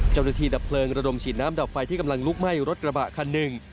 ดับเพลิงระดมฉีดน้ำดับไฟที่กำลังลุกไหม้รถกระบะคันหนึ่ง